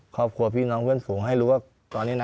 ครอบครัวพี่น้องเพื่อนฝูงให้รู้ว่าตอนนี้นะ